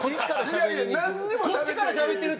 いやいやなんにもしゃべってへん！